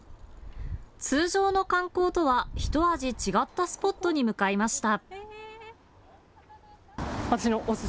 通常の観光とは、ひと味違ったスポットに向かいました。